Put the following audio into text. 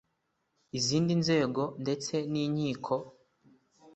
izindi nzego ndetse n’inkiko